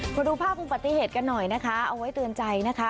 มาดูภาพอุบัติเหตุกันหน่อยนะคะเอาไว้เตือนใจนะคะ